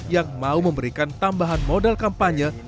yang mau memberikan tambahan modal kampanye